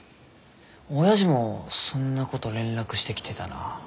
おやじもそんなごど連絡してきてたな。